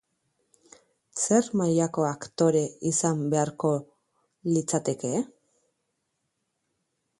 Zer mailako aktore izan beharko litzateke?